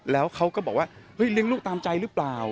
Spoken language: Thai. แล้วเขาก็บอกว่าเฮ้ยเลี้ยงลูกตามใจหรือเปล่า